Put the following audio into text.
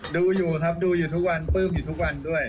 ดูอยู่ครับดูอยู่ทุกวันปลื้มอยู่ทุกวันด้วย